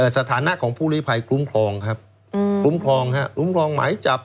สถานะของผู้หลีภัยคลุ้มครองครับคลุ้มครองไหมจับ